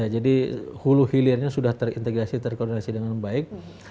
jadi hulu hilirnya sudah terintegrasi terkoordinasi dengan baik